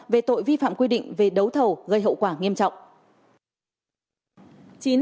về tội vi phạm quy định về đấu thầu gây hậu quả nghiêm trọng